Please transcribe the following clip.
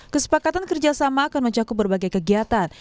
kesepakatan kerjasama akan mencakup berbagai kegiatan